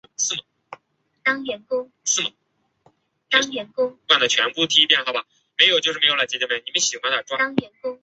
是一种美容外科手术。